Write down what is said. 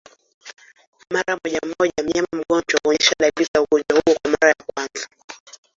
Mara moja moja mnyama mgonjwa huonyesha dalili za ugonjwa huo kwa mara ya kwanza